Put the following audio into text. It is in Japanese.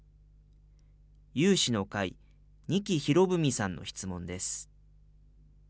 有志の会、仁木博文さんの質問です。